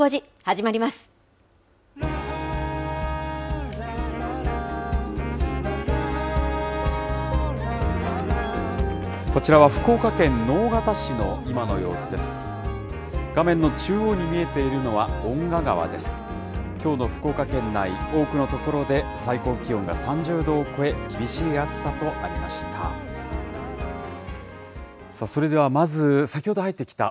きょうの福岡県内、多くの所で最高気温が３０度を超え、厳しい暑さとなりました。